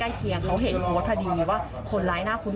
เคียงเขาเห็นโพสต์พอดีว่าคนร้ายหน้าคุ้น